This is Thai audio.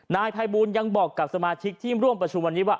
นายภัยบูลยังบอกกับสมาชิกที่ร่วมประชุมวันนี้ว่า